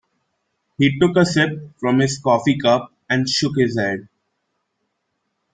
He took a sip from his coffee cup and shook his head.